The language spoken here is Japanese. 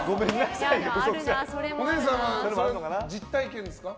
お姉さん、それは実体験ですか。